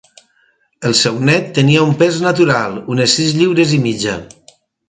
El seu nét tenia un pes natural: unes sis lliures i mitja.